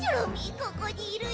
ここにいるよ。